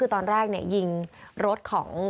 คือตอนแรกเนี่ยยิงรถของ